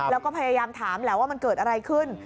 แล้วก็พยายามถามแหละว่ามันเกิดอะไรขึ้น